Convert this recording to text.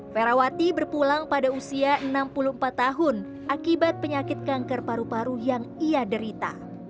ferawati berpulang pada usia enam puluh empat tahun akibat penyakit kanker paru paru yang ia derita